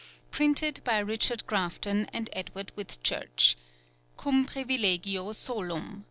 Printed by Rychard Grafton and Edward Whitchurche. Cum priuilegio solum.